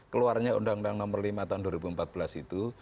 keluarnya undang undang nomor lima tahun dua ribu empat belas itu